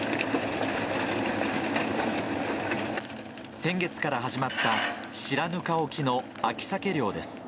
先月から始まった、白糠沖の秋サケ漁です。